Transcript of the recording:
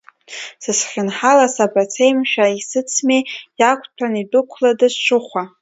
Сызхьынҳалаз абацеи, мшәа, исыцмеи, иақәтәан идәықәлада сҽыхәа?